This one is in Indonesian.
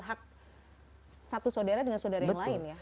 hak satu saudara dengan saudara yang lain ya